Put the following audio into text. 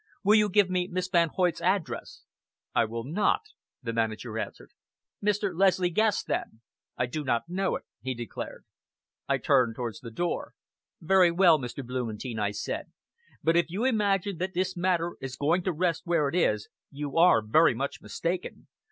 Will you give me Miss Van Hoyt's address?" "I will not," the manager answered. "Mr. Leslie Guest's then?" "I do not know it," he declared. I turned towards the door. "Very well, Mr. Blumentein," I said; "but if you imagine that this matter is going to rest where it is, you are very much mistaken.